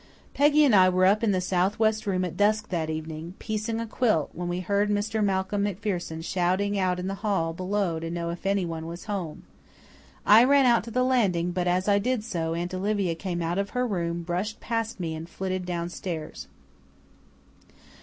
Peggy and I were up in the south west room at dusk that evening, piecing a quilt, when we heard Mr. Malcolm MacPherson shouting out in the hall below to know if anyone was home. I ran out to the landing, but as I did so Aunt Olivia came out of her room, brushed past me, and flitted downstairs.